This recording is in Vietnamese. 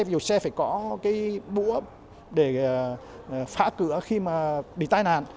ví dụ xe phải có cái búa để phá cửa khi mà bị tai nạn